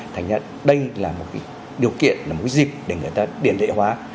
thành ra đây là một cái điều kiện là một cái dịp để người ta điền lệ hóa